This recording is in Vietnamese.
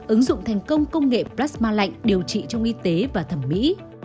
ứng dụng thành công công nghệ plasma lạnh điều trị trong y tế và thẩm mỹ